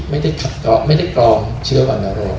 ไม่ได้กล่อเชื่อวนโลก